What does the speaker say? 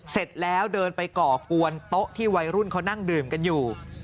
เสร็จแล้วเดินไปก่อกวนโต๊ะที่วัยรุ่นเขานั่งดื่มกันอยู่